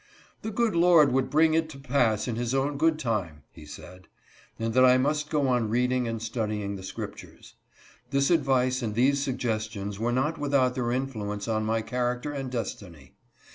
" The good Lord would bring it to pass in his own good time," he said, and that I must go on reading and studying the Scriptures. This advice and these suggestions were not • without their influence on my character and destiny.